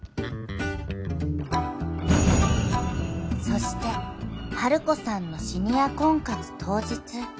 ［そしてハルコさんのシニア婚活当日］